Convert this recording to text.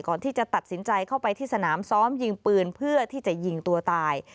ก่อนที่จะตัดสินใจเข้าไปที่สนามซ้อมยิงปืนเพื่อที่จะยิงตัวตาย